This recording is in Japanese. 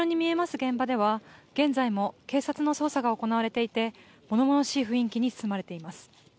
現場では、現在も警察の捜査が行われていて物々しい雰囲気に包まれています。